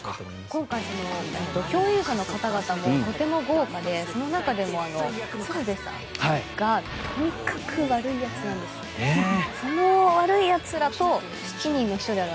今回、共演者の方々もとても豪華でその中でも鶴瓶さんがとにかく悪いやつなんです。